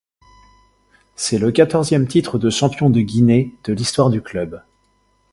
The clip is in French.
C'est le quatorzième titre de champion de Guinée de l'histoire du club.